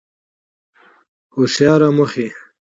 سمارټ موخې